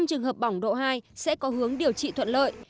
năm trường hợp bỏng độ hai sẽ có hướng điều trị thuận lợi